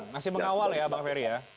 masih mengawal ya bang ferry ya